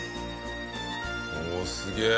おっすげえ！